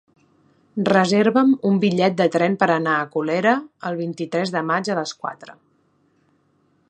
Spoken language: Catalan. Reserva'm un bitllet de tren per anar a Colera el vint-i-tres de maig a les quatre.